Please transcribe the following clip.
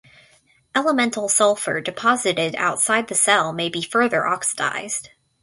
Elemental sulfur deposited outside the cell may be further oxidized.